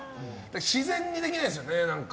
自然にできないですよね、何か。